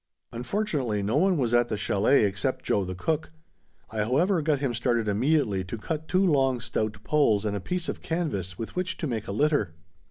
Unfortunately no one was at the chalet except Joe the cook. I however got him started immediately to cut two long, stout poles and a piece of canvas with which to make a litter.